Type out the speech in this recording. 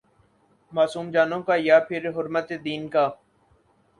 معصوم جانوں کا یا پھرحرمت دین کا؟